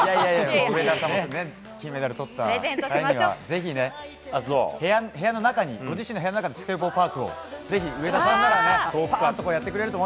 上田さんも金メダルを取った際にはぜひご自身の部屋の中にスケボーパークをぜひ上田さんならやってくれるかな。